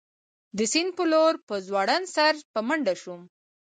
د سیند په لور په ځوړند سر په منډه شوم.